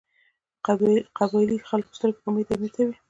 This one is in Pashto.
قبایلي خلکو سترګې امیر ته وې.